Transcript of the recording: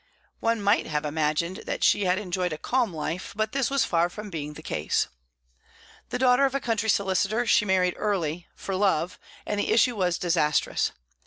One might have imagined that she had enjoyed a calm life, but this was far from being the case. The daughter of a country solicitor, she married early for love, and the issue was disastrous.